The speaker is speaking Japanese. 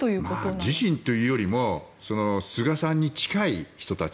自身というより菅さんに近い人たち。